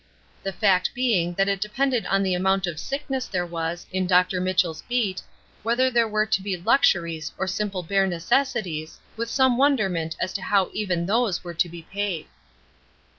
The fact being that it depended on the amount of sickness there was in Dr. Mitchell's beat whether there were to be luxuries or simple bare necessities, with some wonderment as to how even those were to be paid.